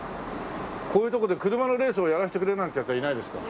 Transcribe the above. こういうとこで車のレースをやらせてくれなんていうヤツはいないですか？